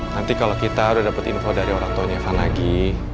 nanti kalau kita udah dapet info dari orang tuanya evan lagi